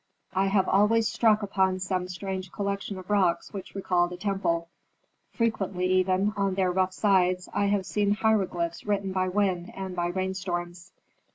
I have always struck upon some strange collection of rocks which recalled a temple. Frequently even, on their rough sides, I have seen hieroglyphs written by wind and by rainstorms."